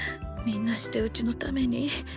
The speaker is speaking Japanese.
みんなしてうちのために。